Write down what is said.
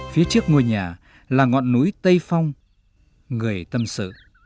phía trước ngôi nhà là ngọn núi tây phong người tâm sự